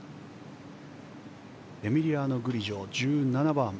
エミリアノ・グリジョ、１７番。